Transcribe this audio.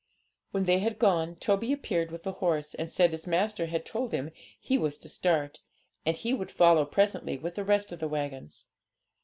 When they had gone, Toby appeared with the horse, and said his master had told him he was to start, and he would follow presently with the rest of the waggons.